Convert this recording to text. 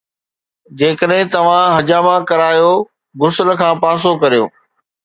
جيڪڏهن توهان حجامہ ڪريو، غسل کان پاسو ڪريو